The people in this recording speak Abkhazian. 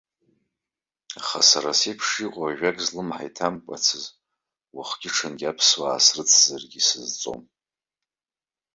Аха сара сеиԥш иҟоу, ажәак злымҳа иҭамкәацыз, уахгьы ҽынгьы аԥсуаа срыцзаргьы исызҵом.